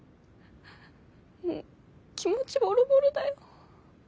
もう気持ちボロボロだよ。